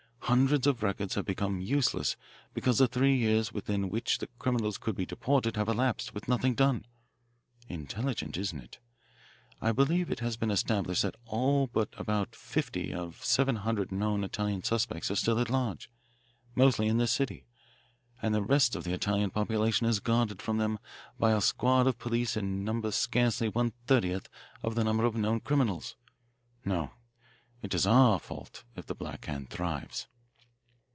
Hundreds of records have become useless because the three years within which the criminals could be deported have elapsed with nothing done. Intelligent, isn't it? I believe it has been established that all but about fifty of seven hundred known Italian suspects are still at large, mostly in this city. And the rest of the Italian population is guarded from them by a squad of police in number scarcely one thirtieth of the number of known criminals. No, it's our fault if the Black Hand thrives."